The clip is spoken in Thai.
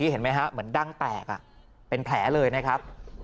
เห็นไหมฮะเหมือนดั้งแตกเป็นแผลเลยนะครับ